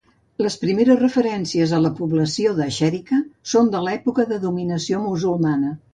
Les primeres referències a la població de Xèrica, són de l'època de dominació musulmana.